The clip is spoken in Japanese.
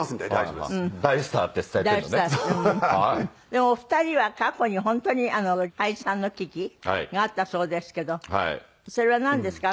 でもお二人は過去に本当に解散の危機があったそうですけどそれはなんですか？